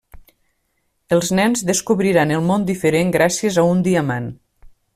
Els nens descobriran el món diferent gràcies a un diamant.